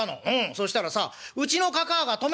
そしたらさうちの嬶が止めるんだ。